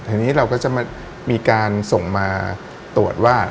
ทีนี้เราก็จะมีการส่งมาตรวจว่า